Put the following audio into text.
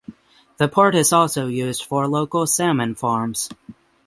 The port is also used for local salmon farms.